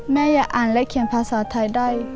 อย่าอ่านและเขียนภาษาไทยได้